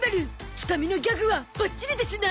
つかみのギャグはバッチリですな